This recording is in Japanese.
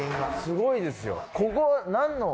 すごいですよ。